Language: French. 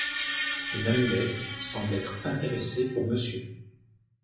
Une amulette semble être intéresser pour Mr.